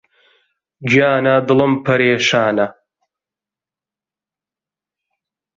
گیانە دڵم پەرێشانە